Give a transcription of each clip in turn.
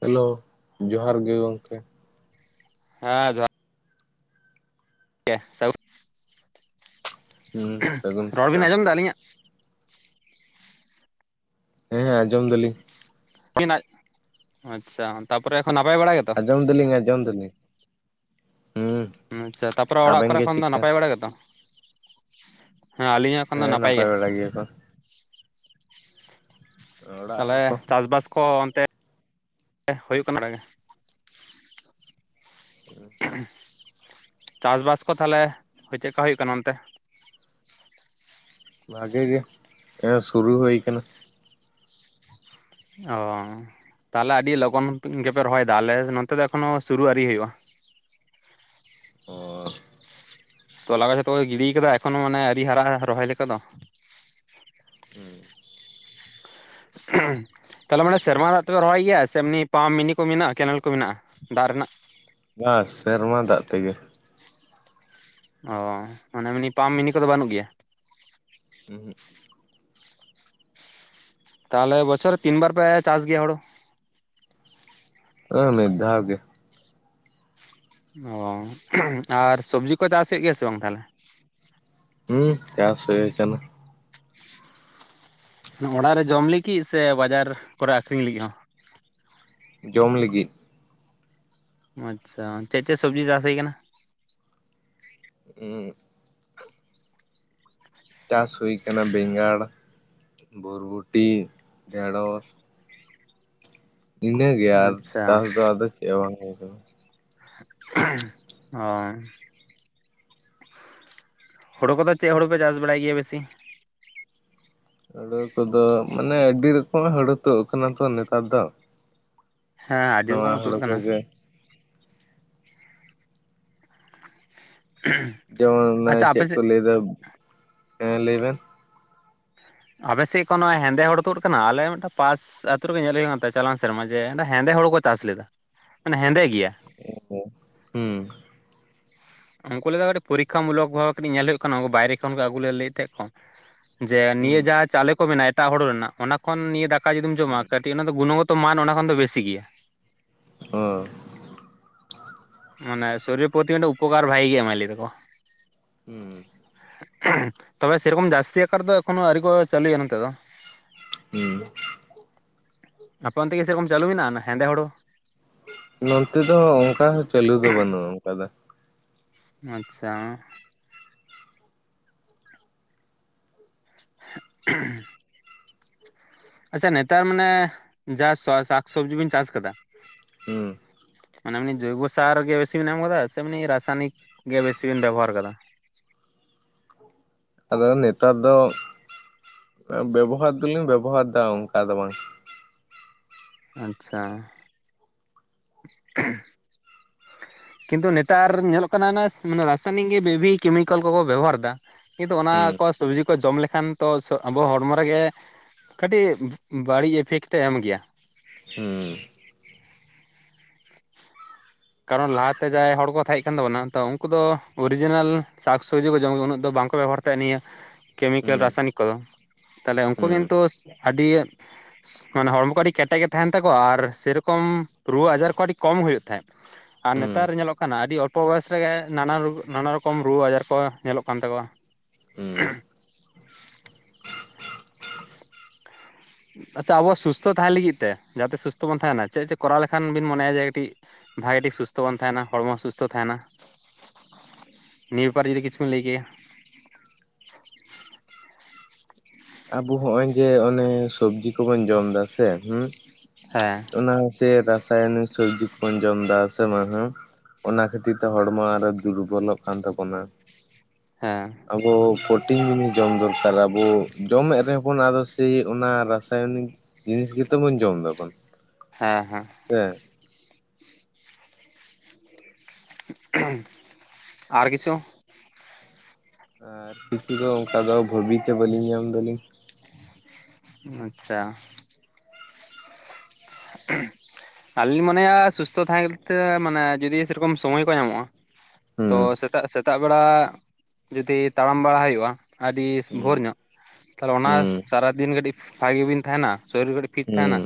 Hello ᱡᱚᱦᱟᱨ ᱜᱮ ᱜᱚᱝᱠᱮ ᱦᱮᱸ ᱡᱚᱦᱟᱨ ᱦᱩᱸ ᱥᱟᱹᱜᱩᱱ [unintelligible] ᱨᱚᱲ ᱵᱤᱱ ᱥᱮᱛᱟᱜ ᱟᱸᱡᱚᱢ ᱮᱫᱟ ᱟᱹᱞᱤᱧᱟᱜ ᱦᱮᱸ ᱦᱮᱸ ᱟᱸᱡᱚᱢ ᱫᱟᱞᱤᱧ [unintelligible] ᱟᱪᱪᱷᱟ ᱛᱟᱯᱚᱨᱮ ᱮᱠᱷᱚᱱ ᱱᱟᱯᱟᱭ ᱵᱟᱲᱟ ᱜᱮ ᱟᱡᱚᱢ ᱫᱟᱹᱞᱤᱧ ᱟᱡᱚᱢ ᱫᱟᱹᱞᱤᱧ ᱟᱪᱪᱷᱟ ᱛᱟᱯᱚᱨᱮ ᱚᱲᱟᱜ ᱟᱵᱮᱱ ᱠᱚᱨᱮ ᱜᱮ ᱠᱷᱚᱱ ᱫᱚ ᱪᱮᱫᱠᱟ ᱱᱟᱯᱟᱭ ᱵᱟᱲᱟ ᱜᱮᱛᱚ ᱦᱮᱸ ᱟᱹᱞᱤᱧᱟᱜ ᱦᱮᱸ ᱱᱟᱯᱟᱭ ᱵᱟᱲᱟ ᱜᱮᱭᱟᱠᱚ ᱚᱲᱟᱜ ᱦᱚᱲ ᱛᱟᱦᱞᱮ ᱠᱚ ᱪᱟᱥᱵᱟᱥ ᱠᱚ ᱚᱱᱛᱮ ᱦᱩᱭᱩᱜ ᱠᱟᱱᱟ ᱡᱟᱜᱮ ᱪᱟᱥᱵᱟᱥ ᱠᱚ ᱛᱟᱦᱚᱞᱮ ᱪᱮ ᱞᱮᱠᱟ ᱦᱩᱭᱩᱜ ᱠᱟᱱᱟ ᱚᱱᱛᱮ? ᱵᱷᱟᱜᱮ ᱜᱮ ᱦᱮᱸ ᱥᱩᱨᱩ ᱦᱩᱭ ᱠᱟᱱᱟ᱾ ᱚᱻ ᱛᱟᱦᱚᱞᱮ ᱟᱹᱰᱤ ᱞᱚᱜᱚᱱ ᱜᱮᱯᱮ ᱨᱚᱦᱚᱭ ᱮᱫᱟ ᱟᱞᱮ ᱱᱚᱛᱮ ᱫᱚ ᱮᱠᱷᱚᱱᱚ ᱥᱩᱨᱩ ᱟᱹᱨᱤ ᱦᱩᱭᱩᱜᱼᱟ᱾ ᱚᱻ ᱛᱚᱞᱟ ᱠᱚ ᱡᱚᱛᱚ ᱠᱚ ᱜᱤᱰᱤᱭ ᱠᱟᱫᱟ ᱮᱠᱷᱚᱱᱚ ᱢᱟᱱᱮ ᱟᱣᱨᱤ ᱦᱟᱨᱟ ᱟ ᱨᱚᱦᱚᱭ ᱞᱮᱠᱟ ᱫᱚ ᱦᱩᱸ ᱛᱟᱞᱦᱮ ᱢᱟᱱᱮ ᱥᱮᱨᱢᱟ ᱫᱟᱜ ᱛᱮᱯᱮ ᱨᱚᱦᱚᱭ ᱜᱮᱭᱟ ᱥᱮ ᱮᱢᱱᱤ ᱯᱟᱢᱯ ᱢᱤᱱᱤ ᱠᱚ ᱢᱮᱱᱟᱜᱼᱟ ᱠᱮᱱᱮᱞ ᱠᱚ ᱢᱮᱱᱟᱜᱼᱟ ᱫᱟᱜ ᱨᱮᱱᱟᱜ ᱵᱟ ᱥᱮᱨᱢᱟ ᱫᱟᱜ ᱛᱮᱜᱮ ᱚᱻ ᱢᱟᱱᱮ ᱮᱢᱱᱤ ᱯᱟᱢᱯ ᱢᱤᱱᱤ ᱠᱚᱫᱚ ᱵᱟᱹᱱᱩᱜ ᱜᱮᱭᱟ [inaudible] ᱛᱟᱦᱞᱮ ᱵᱚᱪᱷᱚᱨ ᱨᱮ ᱛᱤᱱ ᱵᱟᱨ ᱯᱮ ᱪᱟᱥ ᱜᱮᱭᱟ ᱦᱳᱲᱳ ᱚ, ᱢᱤᱫ ᱫᱷᱟᱣ ᱜᱮ ᱚ ᱟᱨ ᱥᱚᱵᱡᱤ ᱠᱚ ᱪᱟᱥ ᱦᱳᱭᱳᱜ ᱜᱮᱭᱟ ᱥᱮ ᱵᱟᱝ ᱛᱟᱦᱚᱞᱮ ᱦᱩᱸ ᱪᱟᱥ ᱦᱩᱭ ᱠᱟᱱᱟ ᱚᱲᱟᱜ ᱨᱮ ᱡᱚᱢ ᱞᱟᱹᱜᱤᱫ ᱥᱮ ᱵᱟᱡᱟᱨ ᱠᱚᱨᱮ ᱟᱠᱷᱨᱤᱧ ᱞᱟᱹᱜᱤᱫ ᱦᱚᱸ ᱡᱚᱢ ᱞᱤᱹᱜᱤᱫ ᱟᱪᱪᱷᱟ ᱪᱮᱫ ᱪᱮᱫ ᱥᱚᱵᱡᱤ ᱪᱟᱥ ᱦᱩᱭ ᱠᱟᱱᱟ [unintelligible] ᱪᱟᱥ ᱦᱩᱭ ᱠᱟᱱᱟ ᱵᱮᱜᱟᱬ, ᱵᱚᱨᱵᱚᱴᱤ, ᱰᱷᱮᱬᱚᱥ ᱤᱱᱟᱹ ᱜᱮ ᱟᱨ ᱟᱪᱪᱷᱟ ᱪᱟᱥ ᱫᱚ ᱟᱫᱚ ᱪᱮᱫ ᱦᱚ ᱵᱟᱝ ᱦᱩᱭ ᱟᱠᱟᱱᱟ᱾ ᱚ ᱦᱩᱲᱩ ᱠᱚᱫᱚ ᱪᱮᱫ ᱦᱩᱲᱩ ᱯᱮ ᱪᱟᱥ ᱵᱟᱲᱟᱭ ᱜᱮᱭᱟ ᱵᱮᱥᱤ ᱦᱚᱲᱚ ᱠᱚᱫᱚ ᱢᱟᱱᱮ ᱟᱹᱰᱤ ᱨᱚᱠᱚᱢᱟᱜ ᱦᱚᱲᱚ ᱛᱚ ᱠᱟᱱᱟ ᱛᱚ ᱱᱮᱛᱟᱨ ᱫᱚ ᱦᱮᱸ ᱟᱹᱰᱤ ᱱᱚᱣᱟ ᱨᱚᱠᱚᱢᱟᱜ ᱛᱩᱫ ᱦᱩᱲᱩ ᱠᱟᱱᱟ᱾ ᱠᱚᱜᱮ ᱡᱮᱢᱚᱱ ᱚᱱᱮ ᱟᱪᱪᱷᱟ ᱪᱮᱫ ᱠᱚ ᱟᱯᱮᱥᱮᱫ ᱞᱟᱹᱭ ᱮᱫᱟ ᱦᱮᱸ ᱞᱟᱹᱭ ᱵᱮᱱ ᱟᱯᱮ ᱥᱮᱫ ᱠᱚᱱᱚ ᱦᱮᱸᱫᱮ ᱦᱚᱲᱩ ᱛᱩᱫ ᱟᱠᱟᱱᱟ ᱟᱞᱮ ᱢᱤᱫᱴᱟᱝ ᱯᱟᱥ ᱟᱹᱛᱩ ᱨᱮᱜᱮ ᱧᱮᱞ ᱦᱩᱭᱩᱜ ᱠᱟᱱ ᱛᱮ ᱪᱟᱞᱟᱣ ᱮᱱ ᱥᱮᱨᱢᱟ ᱡᱮᱸ ᱦᱮᱸᱫᱮ ᱦᱚᱲᱚ ᱠᱚ ᱪᱟᱥ ᱞᱮᱫᱟ ᱢᱟᱱᱮ ᱦᱮᱸᱫᱮ ᱜᱮᱭᱟ ᱦᱩᱸ, ᱦᱩᱸ ᱩᱱᱠᱩ ᱞᱮᱠᱟ ᱠᱟᱹᱴᱤᱡ ᱯᱚᱨᱤᱠᱷᱟ ᱢᱩᱞᱚᱠ ᱠᱟᱹᱴᱤᱡᱽ ᱧᱮᱞ ᱦᱩᱭᱩᱜ ᱠᱟᱱᱟ ᱩᱱᱠᱩ ᱵᱟᱭᱨᱮ ᱠᱷᱚᱱ ᱠᱚ ᱟᱹᱜᱩ ᱞᱮ ᱞᱟᱹᱭᱮᱫ ᱛᱟᱦ ᱡᱮ ᱦᱩᱸ ᱱᱤᱭᱟᱹ ᱡᱟ ᱪᱟᱣᱞᱮ ᱠᱚ ᱢᱮᱱᱟᱜᱼᱟ ᱮᱴᱟᱜ ᱦᱩᱲᱩ ᱨᱮᱱᱟᱜ ᱚᱱᱟ ᱠᱷᱚᱱ ᱱᱤᱭᱟᱹ ᱫᱟᱠᱟ ᱡᱩᱫᱤᱢ ᱡᱚᱢᱟ ᱠᱟᱹᱴᱤᱡ ᱚᱱᱟ ᱫᱚ ᱜᱩᱱᱣᱟᱛᱟ ᱢᱟᱱ ᱚᱱᱟ ᱠᱷᱚᱱ ᱫᱚ ᱵᱮᱥᱤ ᱜᱮᱭᱟ᱾ ᱚ ᱢᱟᱱᱮ ᱥᱚᱨᱤᱨ ᱯᱚᱛᱤ ᱢᱤᱫᱴᱟᱝ ᱩᱯᱚᱠᱟᱨ ᱵᱷᱟᱹᱜᱤ ᱮᱢᱟᱭ ᱢᱮᱱ ᱫᱟᱠᱚ ᱦᱩᱸ ᱛᱚᱵᱮ ᱥᱮᱨᱚᱠᱚᱢ ᱡᱟᱹᱥᱛᱤ ᱟᱠᱟᱨ ᱫᱚ ᱮᱠᱷᱚᱱᱳ ᱟᱹᱣᱨᱤ ᱠᱚ ᱪᱟᱹᱞᱩᱭᱟ ᱱᱚᱛᱮ ᱫᱚ ᱦᱩᱸ ᱟᱯᱮ ᱚᱱᱛᱮ ᱠᱤ ᱪᱟᱞᱩ ᱢᱮᱱᱟᱜᱼᱟ ᱦᱮᱸᱫᱮ ᱦᱳᱲᱚ ᱱᱚᱱᱛᱮ ᱫᱚ ᱚᱝᱠᱟ ᱦᱚᱸ ᱪᱟᱹᱞᱩ ᱫᱚ ᱵᱟᱹᱱᱩᱜᱼᱟ ᱚᱝᱠᱟ ᱫᱚ ᱟᱪᱪᱷᱟ ᱟᱪᱪᱷᱟ ᱱᱮᱛᱟᱨ ᱢᱟᱱᱮ ᱡᱟ ᱥᱚᱣᱟ ᱥᱟᱠᱥᱚᱵᱽᱡᱤ ᱵᱤᱱ ᱪᱟᱥ ᱠᱟᱫᱟ ᱦᱩᱸ ᱚᱱᱟ ᱮᱢᱱᱳ ᱡᱚᱭᱵᱳ ᱥᱟᱨ ᱜᱮ ᱵᱤᱥᱤ ᱵᱮᱱ ᱮᱢ ᱠᱟᱫᱟ ᱥᱮ ᱮᱢᱱᱤ ᱨᱟᱥᱟᱭᱚᱱᱤᱠ ᱜᱮ ᱵᱮᱥᱤ ᱵᱮᱱ ᱵᱮᱵᱚᱦᱟᱨ ᱠᱟᱫᱟ ᱟᱫᱚ ᱱᱮᱛᱟᱨ ᱫᱚ ᱵᱮᱵᱚᱦᱟᱨ ᱫᱚᱞᱤᱧ ᱵᱮᱵᱚᱦᱟᱨ ᱫᱟ ᱚᱝᱠᱟ ᱫᱚ ᱵᱟᱝ ᱟᱪᱪᱷᱟ ᱠᱤᱱᱛᱩ ᱱᱮᱛᱟᱨ ᱧᱮᱞᱚᱜ ᱠᱟᱱᱟ ᱚᱱᱮ ᱨᱟᱥᱟᱭᱚᱱᱤᱠ ᱜᱮ ᱵᱮᱵᱤ ᱠᱮᱢᱤᱠᱮᱞ ᱠᱚᱠᱚ ᱵᱮᱵᱚᱦᱟᱨ ᱮᱫᱟ ᱠᱤᱱᱛᱩ ᱚᱱᱟ ᱦᱩᱸ ᱠᱚ ᱥᱚᱵᱽᱡᱤ ᱠᱚ ᱡᱚᱢ ᱞᱮᱠᱷᱟᱱ ᱛᱚ ᱟᱵᱚ ᱦᱚᱲᱢᱚ ᱨᱮᱜᱮ ᱠᱟᱹᱴᱤᱡ ᱵᱟᱹᱲᱤᱡ ᱤᱯᱷᱮᱠᱴ ᱛᱚᱭ ᱮᱢ ᱜᱮᱭᱟ ᱦᱩᱸ ᱠᱟᱨᱚᱱ ᱞᱟᱦᱟᱛᱮ ᱡᱟᱦᱟᱸᱭ ᱦᱚᱲ ᱠᱚ ᱛᱟᱦᱮᱸ ᱠᱟᱱ ᱛᱟᱵᱚᱱᱟ ᱛᱚ ᱩᱱᱠᱩ ᱫᱚ ᱚᱨᱤᱡᱤᱱᱮᱞ ᱥᱟᱠ ᱥᱚᱵᱽᱡᱤ ᱠᱚ ᱡᱚᱢ ᱩᱱᱟᱹᱜ ᱫᱚ ᱵᱟᱝᱠᱚ ᱵᱮᱵᱚᱦᱟᱨ ᱛᱚ, ᱱᱤᱭᱟᱹ ᱠᱮᱢᱤᱠᱮᱞ ᱦᱩᱸ ᱨᱟᱥᱟᱭᱚᱱᱤᱠ ᱠᱚᱫᱚ ᱛᱟᱦᱞᱮ ᱩᱱᱠᱩ ᱦᱩᱸ ᱠᱤᱱᱛᱩ ᱟᱹᱰᱤ ᱢᱟᱱᱮ ᱦᱚᱲᱢᱚ ᱠᱚ ᱟᱹᱰᱤ ᱠᱮᱴᱮᱡ ᱜᱮ ᱛᱟᱦᱮᱱ ᱛᱟᱠᱚᱣᱟ ᱟᱨ ᱥᱮᱨᱚᱠᱚᱢ ᱨᱩᱣᱟᱹ ᱟᱡᱟᱨ ᱠᱚ ᱟᱹᱰᱤ ᱠᱚᱢ ᱦᱩᱭᱩᱜ ᱛᱟᱦᱮᱸᱫ ᱟᱨ ᱦᱩᱸ ᱱᱮᱛᱟᱨ ᱧᱮᱞᱚᱜ ᱠᱟᱱᱟ ᱟᱹᱰᱤ ᱚᱞᱯᱚ ᱵᱚᱭᱮᱥ ᱨᱮᱜᱮ ᱱᱟᱱᱟ ᱨᱚ ᱱᱟᱱᱟ ᱨᱚᱠᱚᱢ ᱨᱩᱣᱟᱹ ᱟᱡᱟᱨ ᱠᱚ ᱧᱮᱞᱚᱜ ᱠᱟᱱ ᱛᱟᱠᱚᱣᱟ᱾ ᱦᱩᱸ ᱟᱪᱪᱷᱟ ᱟᱵᱚ ᱥᱩᱥᱛᱷᱚ ᱛᱟᱦᱮᱸ ᱞᱟᱹᱜᱤᱫ ᱛᱮ ᱡᱟᱛᱮ ᱥᱩᱥᱛᱷᱚ ᱵᱚᱱ ᱛᱟᱦᱮᱱᱟ ᱪᱮᱫ ᱪᱮᱫ ᱠᱚᱨᱟᱣ ᱞᱮᱠᱷᱟᱱ ᱵᱤᱱ ᱢᱚᱱᱮᱭᱟ ᱡᱮ ᱠᱟᱹᱴᱤᱡ ᱵᱷᱟᱜᱮ ᱴᱷᱤᱠ ᱥᱩᱥᱛᱷᱚ ᱵᱚᱱ ᱛᱟᱦᱮᱱᱟ ᱦᱚᱲᱢᱚ ᱥᱩᱥᱛᱷᱚ ᱛᱟᱦᱮᱱᱟ ᱱᱤᱭᱟ. ᱯᱟᱨ ᱡᱩᱫᱤ ᱠᱤᱪᱷᱩ ᱵᱤᱱ ᱞᱟᱹᱭ ᱠᱮᱭᱟ ᱟᱵᱚ ᱦᱚᱸᱜᱼᱚᱭ ᱡᱮ ᱚᱱᱮ ᱥᱚᱵᱡᱤ ᱠᱚᱵᱚᱱ ᱡᱚᱢᱫᱟ ᱥᱮ ᱦᱩᱸ ᱦᱮᱸ ᱚᱱᱟ ᱦᱚᱸᱥᱮ ᱨᱟᱥᱟᱭᱚᱱᱤᱠ ᱥᱚᱵᱽᱡᱤ ᱠᱚᱵᱚᱱ ᱡᱚᱢᱫᱟ ᱥᱮ ᱚᱱᱟ ᱦᱚᱸ ᱚᱱᱟ ᱠᱷᱟᱹᱛᱤᱨ ᱛᱮ ᱦᱚᱲᱢᱚ ᱟᱨᱚ ᱫᱩᱨᱵᱚᱞᱚᱜ ᱠᱟᱱ ᱛᱟᱵᱚᱱᱟ ᱦᱮᱸ ᱟᱵᱚ ᱯᱷᱚᱴ ᱴᱤᱱ ᱡᱤᱱᱤᱥ ᱡᱚᱢ ᱫᱚᱨᱠᱟᱨᱟ ᱟᱵᱚ ᱡᱚᱢᱮᱫ ᱨᱮᱦᱚᱸ ᱵᱚᱱ ᱟᱫᱚ ᱥᱮᱭ ᱚᱱᱟ ᱨᱟᱥᱟᱭᱚᱱᱤᱠ ᱡᱤᱱᱤᱥ ᱜᱮᱛᱚ ᱵᱚᱱ ᱡᱚᱢ ᱮᱫᱟᱵᱚᱱ ᱦᱮᱸ ᱦᱮᱸ ᱪᱮᱫ [unintelligible] ᱟᱨ ᱠᱤᱪᱷᱩ ᱟᱨ ᱠᱤᱪᱷᱩ ᱫᱚ ᱚᱱᱠᱟ ᱫᱚ ᱵᱷᱟᱹᱵᱤ ᱛᱮ ᱵᱟᱹᱞᱤᱧ ᱧᱟᱢ ᱫᱟᱞᱤᱧ ᱟᱪᱪᱷᱟ [unintelligible] ᱟᱹᱞᱤᱧ ᱢᱚᱱᱮᱭᱟ ᱥᱩᱥᱛᱷᱚ ᱛᱟᱦᱮᱸ ᱠᱟᱛᱤᱨ ᱛᱮ ᱢᱟᱱᱮ ᱡᱩᱫᱤ ᱥᱮᱨᱚᱠᱚᱢ ᱥᱚᱢᱚᱭ ᱠᱚ ᱧᱟᱢᱚᱜᱼᱟ ᱛᱚ ᱦᱩᱸ ᱥᱮ ᱥᱮᱛᱟᱜ ᱥᱮᱛᱟᱜ ᱵᱮᱲᱟ ᱡᱩᱫᱤ ᱛᱟᱲᱟᱢ ᱵᱟᱲᱟ ᱦᱩᱭᱩᱜᱼᱟ ᱟᱹᱰᱤ ᱦᱩᱸ ᱵᱷᱳᱨ ᱧᱚᱜ ᱛᱟᱦᱚᱞᱮ ᱚᱱᱟ ᱦᱩᱸ ᱥᱟᱨᱟᱫᱤᱱ ᱠᱟᱹᱴᱤᱡ ᱵᱷᱟᱜᱤ ᱵᱤᱱ ᱛᱟᱦᱮᱱᱟ ᱥᱚᱨᱤᱨ ᱠᱟᱹᱴᱤᱡ ᱯᱷᱤᱴ ᱛᱟᱦᱮᱱᱟ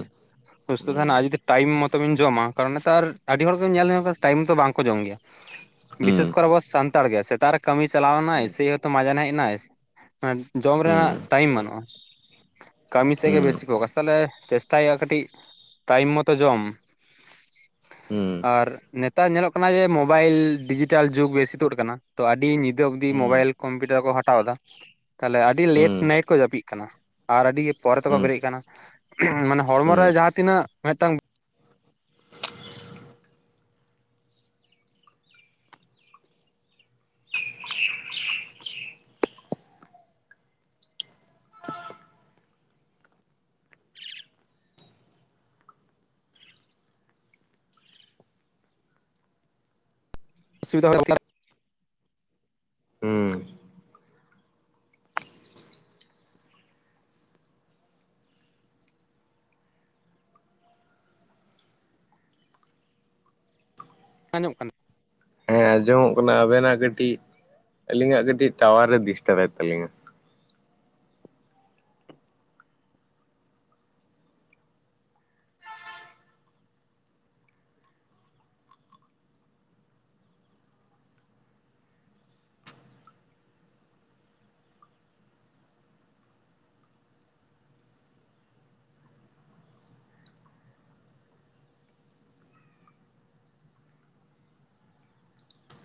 ᱥᱩᱥᱛᱷ ᱛᱟᱦᱮᱱᱟ ᱦᱩᱸ ᱡᱩᱫᱤ ᱴᱟᱭᱤᱢ ᱢᱚᱛᱚᱵᱤᱱ ᱡᱚᱢᱟ ᱠᱟᱨᱚᱱ ᱢᱟᱛᱚ ᱟᱨ ᱟᱹᱰᱤ ᱦᱚᱲ ᱜᱮᱢ ᱧᱮᱞ ᱞᱮᱱ ᱴᱟᱭᱤᱢ ᱢᱚᱛᱚ ᱵᱟᱝᱠᱚ ᱡᱚᱢ ᱜᱮᱭᱟ ᱦᱩᱸ ᱵᱤᱥᱮᱥ ᱦᱩᱸ ᱠᱚᱨᱮ ᱟᱵᱚ ᱥᱟᱱᱛᱟᱲ ᱜᱮ ᱥᱮᱛᱟᱜ ᱨᱮ ᱠᱟᱹᱢᱤ ᱪᱟᱞᱟᱣ ᱱᱟᱭ ᱥᱮᱭᱛᱚ ᱢᱟᱡᱟᱱ ᱦᱮᱡ ᱮᱱᱟᱭ [unintelligible] ᱡᱚᱢ ᱨᱮᱱᱟᱜ ᱴᱟᱭᱤᱢ ᱵᱟᱹᱱᱩᱜᱼᱟ ᱠᱟᱹᱢᱤ ᱦᱩᱸ ᱥᱮᱫ ᱜᱮ ᱦᱩᱸ ᱵᱮᱥᱤ ᱠᱚ ᱠᱟ ᱛᱟᱦᱚᱞᱮ ᱪᱮᱥᱴᱟᱭ ᱦᱩᱭᱩᱜᱼᱟ ᱠᱟᱹᱴᱤᱡ ᱴᱟᱭᱤᱢ ᱢᱚᱛᱚ ᱡᱚᱢ [inaudible] ᱦᱩᱸ ᱦᱩᱸ ᱟᱨ ᱱᱮᱛᱟᱨ ᱧᱮᱞᱚᱜ ᱠᱟᱱᱟ ᱡᱮ ᱢᱳᱵᱟᱭᱤᱞ ᱰᱤᱡᱤᱴᱟᱞ ᱡᱩᱜᱽ ᱵᱤᱥᱤ ᱛᱩᱜ ᱟᱠᱟᱱᱟ ᱛᱚ ᱟᱹᱰᱤ ᱧᱤᱫᱟᱹ ᱚᱵᱽᱫᱤ ᱢᱳᱵᱟᱭᱤᱞ ᱦᱩᱸ ᱠᱚᱢᱯᱤᱭᱩᱴᱟᱨ ᱠᱚ ᱦᱟᱛᱟᱣ ᱮᱫᱟ ᱛᱟᱦᱚᱞᱮ ᱟᱹᱰᱤ ᱞᱮᱴ ᱱᱟᱭᱤᱴ ᱠᱚ ᱡᱟᱹᱯᱤᱜ ᱠᱟᱱᱟ ᱟᱨ ᱟᱹᱰᱤ ᱯᱚᱨᱮ ᱛᱮᱠᱚ ᱦᱩᱸ ᱦᱩᱸ ᱵᱮᱨᱮᱫ ᱠᱟᱱᱟ ᱢᱟᱱᱮ ᱦᱚᱲᱢᱚ ᱦᱩᱸ ᱨᱮ ᱡᱟᱦᱟᱸ ᱛᱤᱱᱟᱹᱜ ᱢᱤᱫᱴᱟᱝ ᱚᱥᱩᱤᱫᱷᱟ [unintelligible] ᱠᱟᱱᱟ ᱦᱩᱸ ᱵᱟᱝ ᱟᱧᱚᱜ ᱠᱟᱱᱟ ᱦᱮᱸ ᱟᱸᱡᱚᱢᱚᱜ ᱠᱟᱱᱟ ᱟᱵᱮᱱᱟᱜ ᱠᱟᱹᱴᱤᱡ ᱟᱞᱤᱧᱟᱜ ᱠᱟᱹᱴᱤᱡ ᱴᱟᱣᱟᱨ ᱨᱮ ᱰᱤᱥᱴᱟᱵ ᱮᱫ ᱛᱟᱹᱞᱤᱧᱟ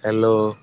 ᱦᱮᱞᱳ